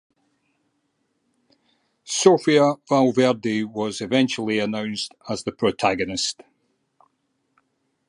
Sophia Valverde was eventually announced as the protagonist.